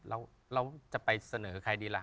เราจะไปเสนอใครดีล่ะ